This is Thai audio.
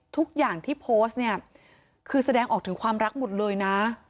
ทุกอย่างที่โพสต์เนี่ยคือแสดงออกถึงความรักหมดเลยนะ